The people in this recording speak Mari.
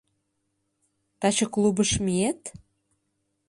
— Таче клубыш миет?